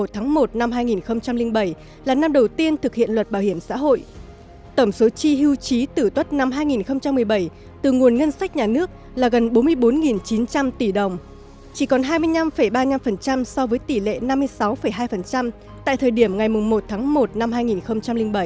tháng một năm hai nghìn bảy là năm đầu tiên thực hiện luật bảo hiểm xã hội tổng số chi hưu trí tử tuất năm hai nghìn một mươi bảy từ nguồn ngân sách nhà nước là gần bốn mươi bốn chín trăm linh tỷ đồng chỉ còn hai mươi năm ba mươi năm so với tỷ lệ năm mươi sáu hai tại thời điểm ngày một tháng một năm hai nghìn bảy